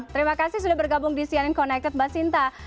terima kasih sudah bergabung di cnn connected mbak sinta